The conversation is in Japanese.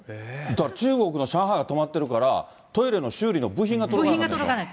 だから中国の上海が止まってるから、トイレの修理の部品が届かない？